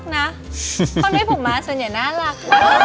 คนที่ผมมาส่วนใหญ่น่ารัก